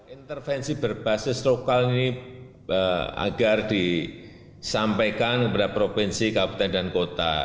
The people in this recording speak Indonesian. intervensi berbasis lokal ini agar disampaikan kepada provinsi kabupaten dan kota